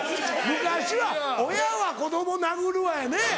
昔は親は子供殴るわやね。